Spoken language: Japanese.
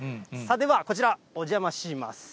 では、こちら、お邪魔します。